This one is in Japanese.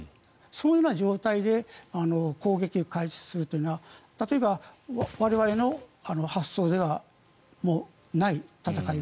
そういうような状態で攻撃を開始するというのは例えば、我々の発想ではない戦い。